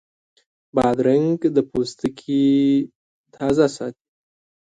بادرنګ د پوستکي تازه ساتي.